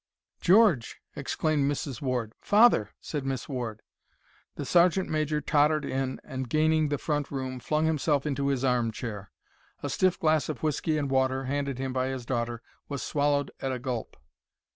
"George!" exclaimed Mrs. Ward. "Father!" said Miss Ward. The sergeant major tottered in and, gaining the front room, flung himself into his arm chair. A stiff glass of whisky and water, handed him by his daughter, was swallowed at a gulp.